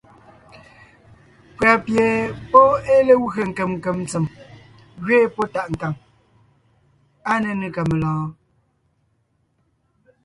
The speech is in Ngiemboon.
Pʉ̀a pie pɔ́ ée legwé nkem nkem tsem ngẅeen pɔ́ tàʼ nkàŋ. Áa nénʉ ka melɔ̀ɔn?